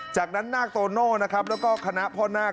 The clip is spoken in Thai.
จากนั้นนาคโตโน่นะครับแล้วก็คณะพ่อนาค